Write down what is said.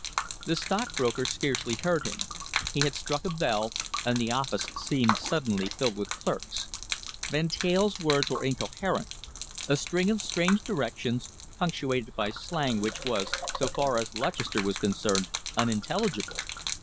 The stockbroker scarcely heard him. He had struck a bell, and the office seemed suddenly filled with clerks. Van Teyl's words were incoherent a string of strange directions, punctuated by slang which was, so far as Lutchester was concerned, unintelligible.